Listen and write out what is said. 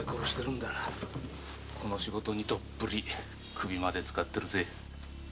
この仕事にどっぷり首までつかってるぜ。